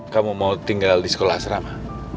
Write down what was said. kamu mau tinggal di sekolah asrama